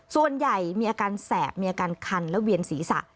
ส่วนใหญ่มีอาการแสบมีอาการคันและเวียนศีรษะ